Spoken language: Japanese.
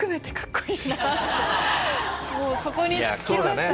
もうそこに尽きましたね。